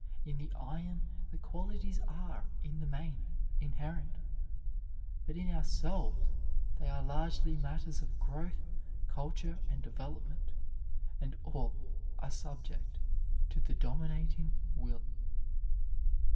In the iron the qualities are, in the main, inherent; but in ourselves they are largely matters of growth, culture, and development, and all are subject to the dominating will.